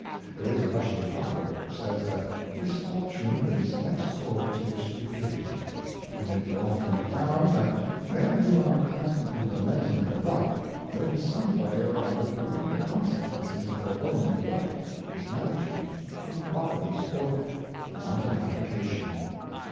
There is a Russian proverb which says that misfortune is next door to stupidity; and it will often be found that men who are constantly lamenting their luck, are in some way or 364 Action in Detail. other reaping the consequences of their own neglect, mismanagement, improvidence, or want of application.